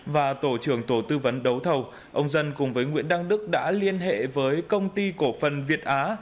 và tổ trưởng tổ tư vấn đấu thầu ông dân cùng với nguyễn đăng đức đã liên hệ với công ty cổ phần việt á